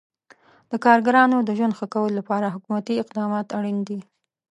د کارګرانو د ژوند ښه کولو لپاره حکومتي اقدامات اړین دي.